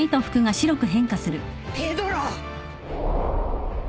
ペドロ！